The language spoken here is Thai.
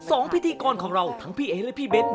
พิธีกรของเราทั้งพี่เอ๋และพี่เบ้น